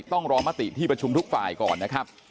ต้องรอมติที่ประชุมทุกฝ่ายก่อนนะครับ